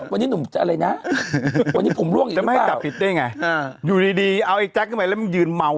วันนี้หนุ่มจะอะไรนะวันนี้ผมร่วงอีกหรือเปล่า